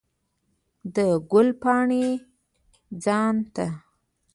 د ګلو پاڼې ځان ته